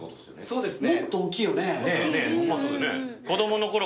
そうですね